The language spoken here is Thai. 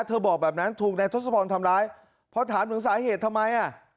บอกแบบนั้นถูกนายทศพรทำร้ายพอถามถึงสาเหตุทำไมอ่ะ